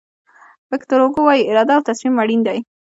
ویکتور هوګو وایي اراده او تصمیم اړین دي.